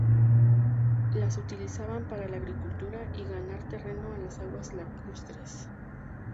Las utilizaban para la agricultura y ganar terreno a las aguas lacustres.